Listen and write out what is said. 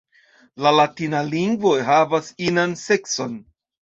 La latina lingvo havas inan sekson.